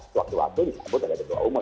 suatu suatu disambut oleh ketua umum